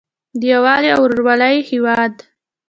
د یووالي او ورورولۍ هیواد.